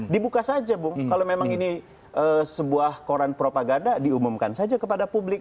dibuka saja bung kalau memang ini sebuah koran propaganda diumumkan saja kepada publik